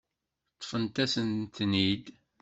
Ṭṭfent-asent-ten-id.